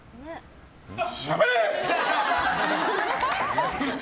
しゃべれ！